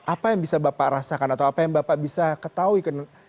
apa yang bisa bapak rasakan atau apa yang bapak bisa ketahui